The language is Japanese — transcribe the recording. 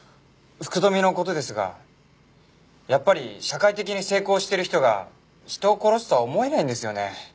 福富の事ですがやっぱり社会的に成功してる人が人を殺すとは思えないんですよね。